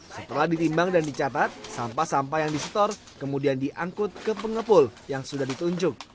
setelah ditimbang dan dicatat sampah sampah yang disetor kemudian diangkut ke pengepul yang sudah ditunjuk